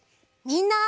みんな！